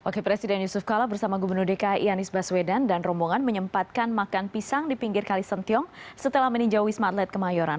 oke presiden yusuf kala bersama gubernur dki anies baswedan dan rombongan menyempatkan makan pisang di pinggir kalisentiong setelah meninjau wisma atlet kemayoran